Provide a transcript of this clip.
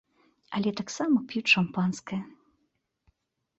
Але таксама п'юць шампанскае.